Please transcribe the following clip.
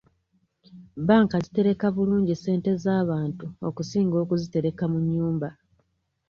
Bbanka zitereka bulungi ssente z'abantu okusinga okuzitereka mu nnyumba.